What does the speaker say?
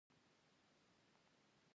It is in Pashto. څوك د چا له غمه نه مري دروغ وايي